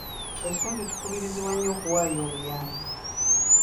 Ekitundu kikubirizibwa nnyo okuwaayo obuyambi.